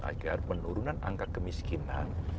agar penurunan angka kemiskinan